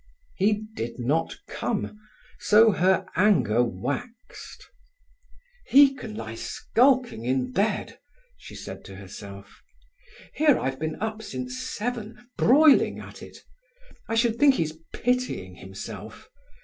He did not come, so her anger waxed. "He can lie skulking in bed!" she said to herself. "Here I've been up since seven, broiling at it. I should think he's pitying himself.